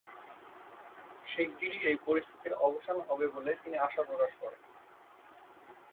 শিগগিরই এই পরিস্থিতির অবসান হবে বলে তিনি আশা প্রকাশ করেন।